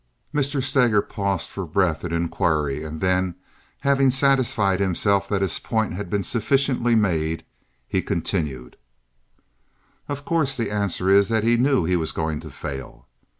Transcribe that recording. Mr. Steger paused for breath and inquiry, and then, having satisfied himself that his point had been sufficiently made, he continued: "Of course the answer is that he knew he was going to fail.